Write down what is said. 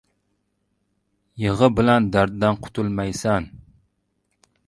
• Yig‘i bilan darddan qutulmaysan.